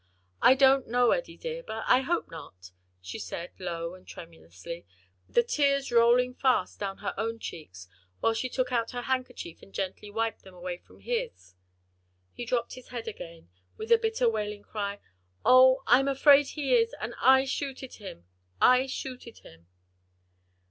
"I don't know, Eddie dear, but I hope not," she said, low and tremulously, the tears rolling fast down her own cheeks, while she took out her handkerchief and gently wiped them away from his. He dropped his head again, with a bitter, wailing cry. "O, I'm afraid he is, and I shooted him! I shooted him!"